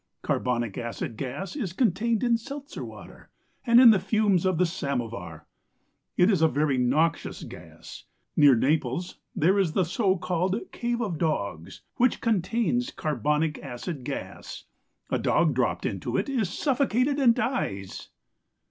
Carbonic acid gas is contained in seltzer water, and in the fumes from the samovar. ... It is a very noxious gas. Near Naples there is the so called Cave of Dogs, which contains carbonic acid gas; a dog dropped into it is suffocated and dies.'